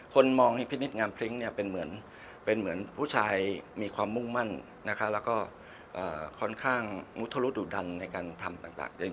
คนมองผิดนิดงามพลิ้งเป็นเหมือนผู้ชายมีความมุ่งมั่นแล้วก็ค่อนข้างมุทรรุดุดันในการทำต่าง